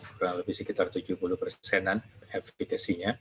kurang lebih sekitar tujuh puluh persenan efekasinya